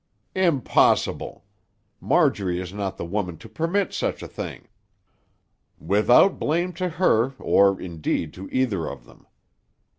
"Impossible! Marjorie is not the woman to permit such a thing." "Without blame to her, or, indeed, to either of them.